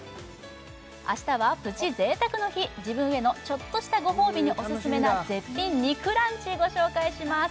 明日はプチ贅沢の日自分へのちょっとしたご褒美にオススメな絶品肉ランチご紹介します